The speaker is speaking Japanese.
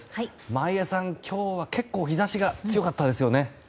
眞家さん、今日は結構日差しが強かったですよね。